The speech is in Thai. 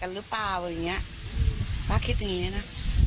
หรือเปล่าอะไรอย่างเงี้ยป้าคิดอย่างเงี้นะ